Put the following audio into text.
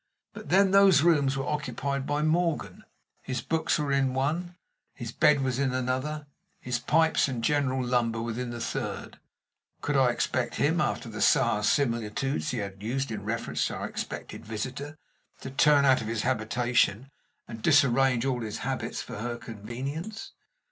But then those rooms were occupied by Morgan. His books were in one, his bed was in another, his pipes and general lumber were in the third. Could I expect him, after the sour similitudes he had used in reference to our expected visitor, to turn out of his habitation and disarrange all his habits for her convenience?